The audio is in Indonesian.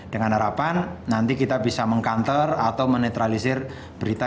dengan harapan nanti kita bisa mengkanter atau menetralisir berita